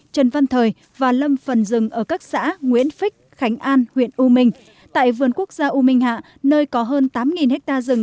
trần văn thời và lâm phần rừng ở các xã nguyễn phích khánh an huyện u minh tại vườn quốc gia u minh hạ nơi có hơn tám ha rừng